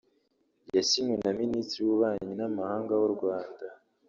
Yasinywe na Minisitiri w’Ububanyi n’Amahanga w’u Rwanda